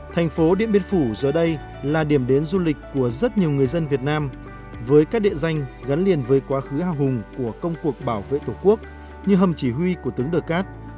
thành phố điện biên phủ giờ đây là điểm đến du lịch của rất nhiều người dân việt nam với các địa danh gắn liền với quá khứ hào hùng của công cuộc bảo vệ tổ quốc như hầm chỉ huy của tướng đờ cát